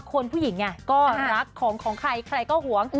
คนผู้หญิงก็รักของของใครใครก็หวง